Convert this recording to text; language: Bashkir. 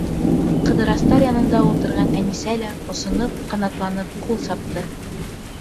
Ҡыҙырастар янында ултырған Әнисә лә, осоноп, ҡанатланып ҡул сапты.